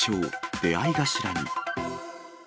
出会い頭に。